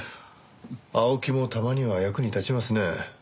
青木もたまには役に立ちますね。